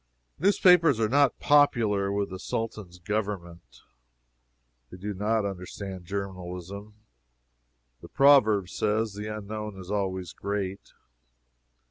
Newspapers are not popular with the Sultan's Government. They do not understand journalism. The proverb says, "The unknown is always great."